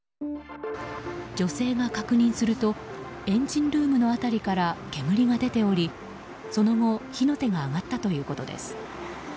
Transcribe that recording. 女性が確認するとエンジンルームの辺りから煙が出ておりその後、火の手が上がったということです。